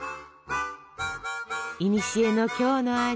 いにしえの京の味